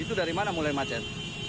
itu dari mana mulai macet